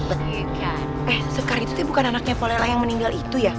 eh sekar itu bukan anaknya polela yang meninggal itu ya